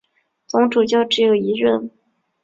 总主教只有一任。